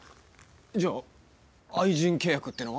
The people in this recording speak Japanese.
じゃあ愛人契約っていうのは？